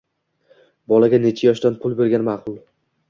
Bolaga nechi yoshdan pul bergan ma'qul?